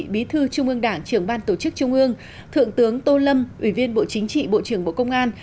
bí thư trung ương đảng trưởng ban tổ chức trung ương thượng tướng tô lâm ủy viên bộ chính trị bộ trưởng bộ công an